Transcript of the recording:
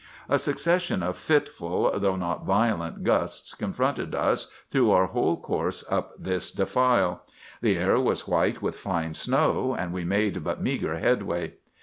"A succession of fitful though not violent gusts confronted us through our whole course up this defile. The air was white with fine snow, and we made but meagre headway.